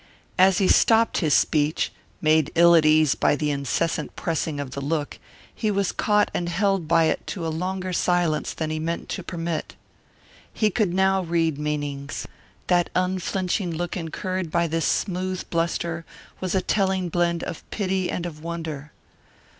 As he stopped his speech, made ill at ease by the incessant pressing of the look, he was caught and held by it to a longer silence than he had meant to permit. He could now read meanings. That unflinching look incurred by his smooth bluster was a telling blend of pity and of wonder.